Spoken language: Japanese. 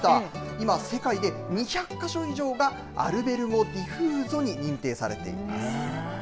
今、世界で２００か所以上が、アルベルゴ・ディフーゾに認定されています。